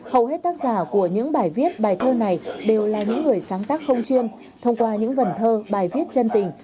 hầu hết tác giả của những bài viết bài thơ này đều là những người sáng tác không chuyên thông qua những vần thơ bài viết chân tình